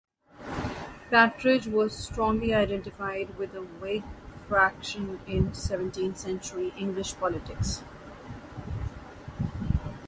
Partridge was strongly identified with the Whig faction in seventeenth-century English politics.